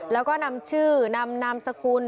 แล้วก็นำชื่อนำนามสกุล